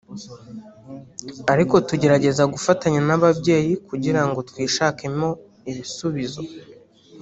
ariko tugerageza gufatanya n’ababyeyi kugira ngo twishakemo ibisubizi